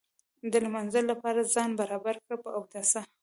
د لمانځه لپاره ځان برابر کړ په اوداسه.